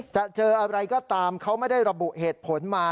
จะเจออะไรก็ตามเขาไม่ได้ระบุเหตุผลมา